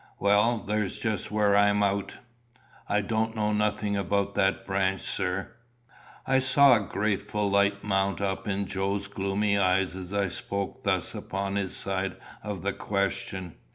"Well, there's just where I'm out. I don't know nothing about that branch, sir." I saw a grateful light mount up in Joe's gloomy eyes as I spoke thus upon his side of the question.